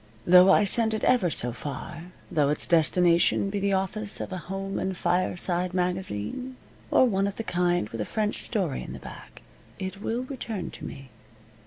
Though I send it ever so far though its destination be the office of a home and fireside magazine or one of the kind with a French story in the back, it will return to me.